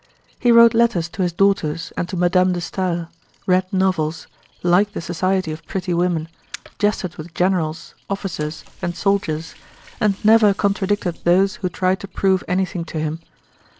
He wrote letters to his daughters and to Madame de Staël, read novels, liked the society of pretty women, jested with generals, officers, and soldiers, and never contradicted those who tried to prove anything to him.